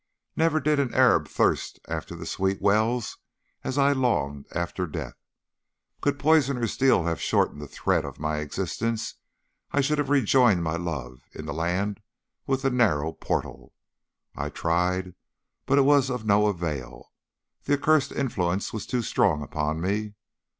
Never did an Arab thirst after the sweet wells as I longed after death. Could poison or steel have shortened the thread of my existence, I should soon have rejoined my love in the land with the narrow portal. I tried, but it was of no avail. The accursed influence was too strong upon me.